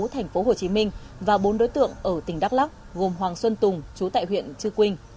thành phố hồ chí minh và bốn đối tượng ở tỉnh đắk lắc gồm hoàng xuân tùng chú tại huyện trư quynh